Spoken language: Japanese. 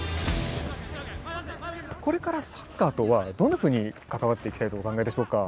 これからサッカーとはどんなふうに関わっていきたいとお考えでしょうか？